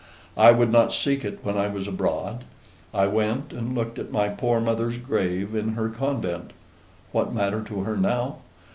I would not seek it when I was abroad. I went and looked at my poor mother's grave in her convent. What matter to her now?